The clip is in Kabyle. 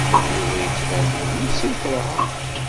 Yuba yettban-d yemmut seg lxelɛa.